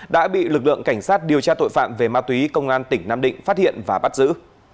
đã bị lực lượng cảnh sát điều tra tội phạm về ma túy công an tỉnh nam định phát hiện và bắt giữ